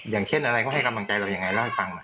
อย่างเช่นอะไรก็ให้กำลังใจเราอย่างไงเล่าให้ฟังมา